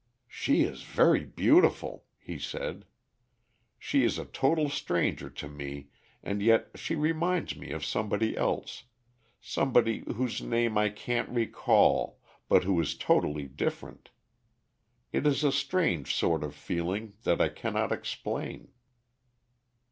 "She is very beautiful," he said. "She is a total stranger to me, and yet she reminds me of somebody else, somebody whose name I can't recall, but who is totally different. It is a strange sort of feeling that I cannot explain."